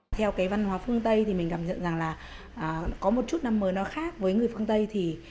theo cái văn hóa phương tây thì mình cảm nhận rằng là có một chút năm mới nó khác với người phương tây thì